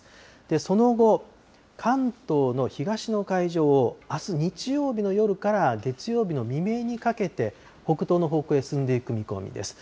その後、関東の東の海上を、あす日曜日の夜から月曜日の未明にかけて、北東の方向へ進んでいく見込みです。